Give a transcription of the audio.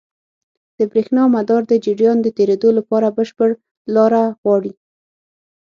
د برېښنا مدار د جریان د تېرېدو لپاره بشپړ لاره غواړي.